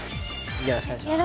よろしくお願いします。